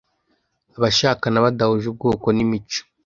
Abashakana badahuje ubwoko n’imico